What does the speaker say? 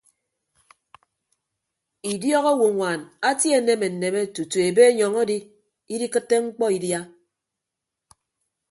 Idiọk owonwaan atie aneme nneme tutu ebe anyọñ adi idikịtte mkpọ idia.